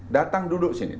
datang duduk sini